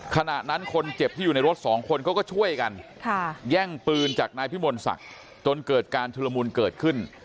ขณะนั้นคนเจ็บที่อยู่ในรถสองคนเขาก็ช่วยกันแย่งปืนจากนายพิมลศักดิ์จนเกิดการชุลมุนเกิดขึ้น